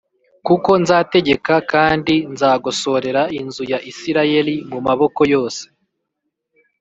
“Kuko nzategeka kandi nzagosorera inzu ya Isirayeli mu moko yose